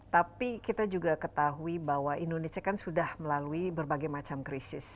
tapi kita juga ketahui bahwa indonesia kan sudah melalui berbagai macam krisis